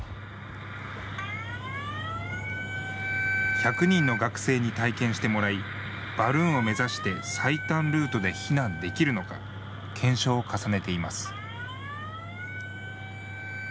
１００人の学生に体験してもらいバルーンを目指して最短ルートで避難できるのか検証を重ねています。